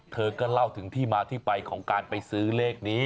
เธอก็เล่าถึงที่มาที่ไปของการไปซื้อเลขนี้